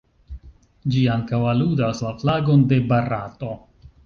Ĝi ankaŭ aludas la flagon de Barato.